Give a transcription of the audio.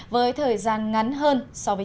với thời gian ngắn hơn